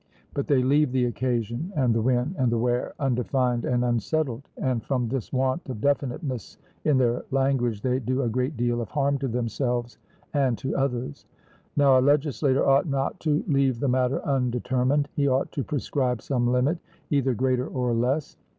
But they leave the occasion, and the when, and the where, undefined and unsettled, and from this want of definiteness in their language they do a great deal of harm to themselves and to others. Now a legislator ought not to leave the matter undetermined; he ought to prescribe some limit, either greater or less.